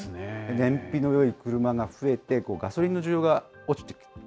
燃費のよい車が増えて、ガソリンの需要が落ちてきた。